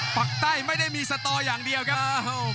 ปากใต้ไม่ได้มีสตออย่างเดียวครับ